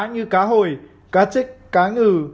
những loại cá như cá hồi cá trích cá ngừ